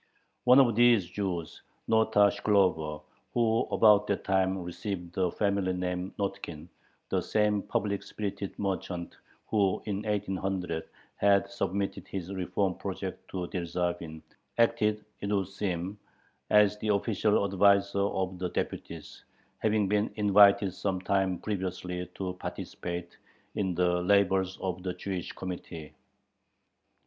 One of these Jews, Nota Shklover, who about that time received the family name Notkin, the same public spirited merchant who in 1800 had submitted his reform project to Dyerzhavin, acted, it would seem, as the official adviser of the deputies, having been invited some time previously to participate in the labors of the Jewish Committee.